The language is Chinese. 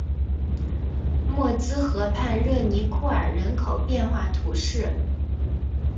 默兹河畔热尼库尔人口变化图示